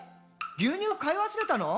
牛乳買い忘れたの？」